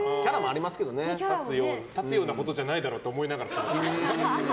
立つようなことじゃないだろって思いながら。